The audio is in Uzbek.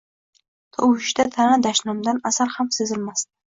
Tovushida ta’na-dashnomdan asar ham sezilmasdi.